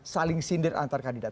saling sindir antar kandidat